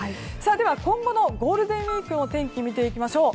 では、今後のゴールデンウィークの天気を見ていきましょう。